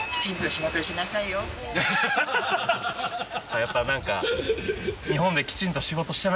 やっぱ何か。